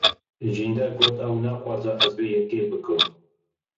Jîndar got ew naxwaze ez vê yekê bikim.